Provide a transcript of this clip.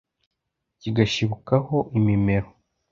kigashibukaho imimero